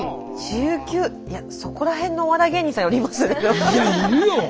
いやそこら辺のお笑い芸人さんよりいますね。